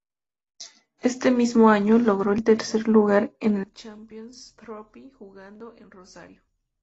Este mismo año, logró el tercer lugar en el Champions Trophy, jugado en Rosario.